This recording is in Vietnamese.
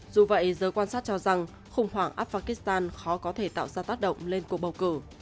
dù vậy giới quan sát cho rằng khủng hoảng affakistan khó có thể tạo ra tác động lên cuộc bầu cử